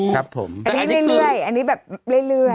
เนี่ยเล่นแบบเอ้ย